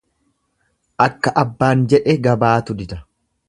Akka abbaan jedhe gabaatu dida.